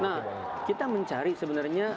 nah kita mencari sebenarnya